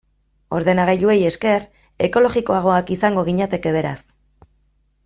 Ordenagailuei esker, ekologikoagoak izango ginateke, beraz.